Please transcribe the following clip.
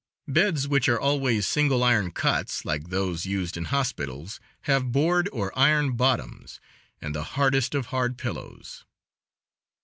Beds, which are always single iron cots like those used in hospitals, have board or iron bottoms, and the hardest of hard pillows.